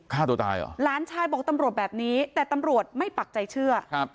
ฆ่าตัวตายเหรอหลานชายบอกตำรวจแบบนี้แต่ตำรวจไม่ปักใจเชื่อครับ